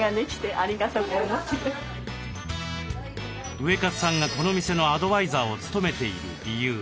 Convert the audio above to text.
ウエカツさんがこの店のアドバイザーを務めている理由。